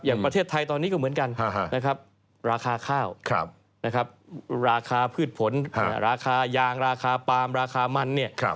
อย่างประเทศไทยตอนนี้ก็เหมือนกันนะครับราคาข้าวนะครับราคาพืชผลราคายางราคาปาล์มราคามันเนี่ย